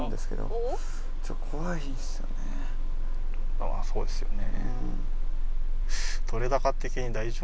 ああそうですよね。